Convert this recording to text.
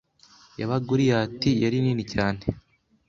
Yaba Goliyati - yari nini cyane -